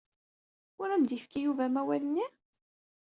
Ur am-d-yefki Yuba amawal-nni?